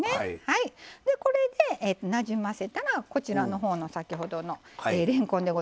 でこれでなじませたらこちらの方の先ほどのれんこんでございます。